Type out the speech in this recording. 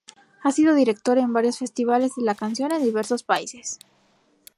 Ha sido director de varios festivales de la canción en diversos países.